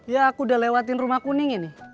ya aku udah lewatin rumah kuning ini